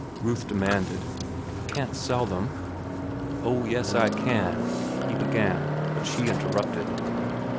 Ruth demanded. "You can't sell them." "Oh, yes, I can," he began; but she interrupted.